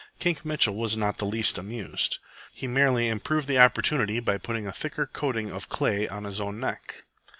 Kink Mitchell was not in the least amused. He merely improved the opportunity by putting a thicker coating of clay on his own neck.